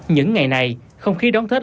những ngày này không khí đón thết